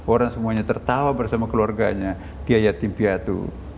orang semuanya tertawa bersama keluarganya kiaitim piatu